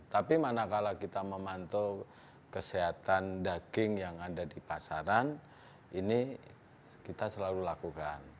tapi manakala kita memantau kesehatan daging yang ada di pasaran ini kita selalu lakukan